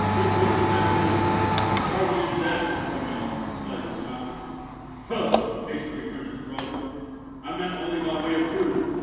What wouldst have more?" "Hardly even that," said Friedel, slightly smiling. "Tush!" hastily returned his brother, "I meant only by way of proof.